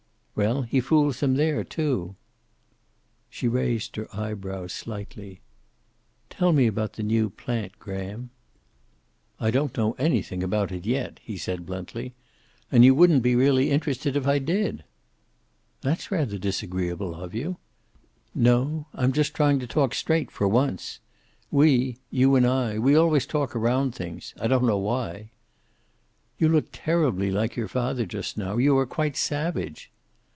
"Well, he fools them there, too." She raised her eyebrows slightly. "Tell me about the new plant, Graham." "I don't know anything about it yet," he said bluntly. "And you wouldn't be really interested if I did." "That's rather disagreeable of you." "No; I'm just trying to talk straight, for once. We you and I we always talk around things. I don't know why." "You look terribly like your father just now. You are quite savage."